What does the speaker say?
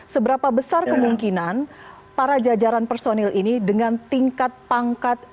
seberapa besar kemungkinan para jajaran personil ini dengan tingkat pangkat